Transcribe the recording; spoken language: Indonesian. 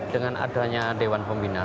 dengan adanya dewan pembina